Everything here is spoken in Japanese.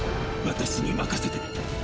私に任せて。